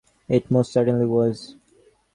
It most certainly was.